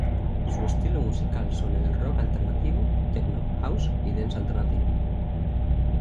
Su estilo musical son el rock alternativo, techno, house y dance alternativo.